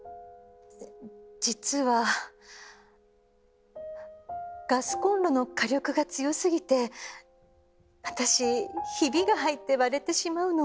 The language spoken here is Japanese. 実はガスコンロの火力が強すぎて私ヒビが入って割れてしまうの。